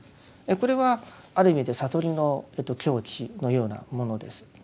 これはある意味で悟りの境地のようなものです。